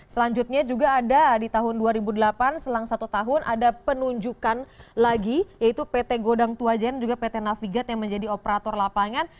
selanjutnya juga ada di tahun dua ribu delapan selang satu tahun ada penunjukan lagi yaitu pt godang tua jan juga pt navigat yang menjadi operator lapangan